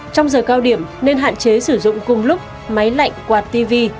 trong giờ cao điểm nên hạn chế sử dụng cùng lúc máy lạnh quạt tv